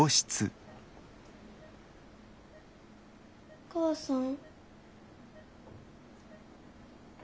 お母さん？